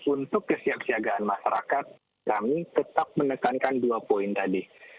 untuk kesiapsiagaan masyarakat kami tetap menekankan dua poin tadi